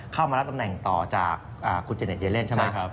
เข้ามารับตำแหน่งต่อจากคุณเจเน็ตเยเลนใช่ไหมครับ